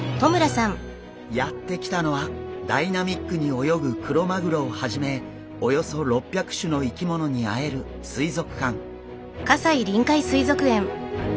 やって来たのはダイナミックに泳ぐクロマグロをはじめおよそ６００種の生き物に会える水族館。